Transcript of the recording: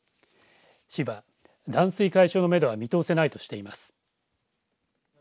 市は断水解消のめどは見通せないとしています。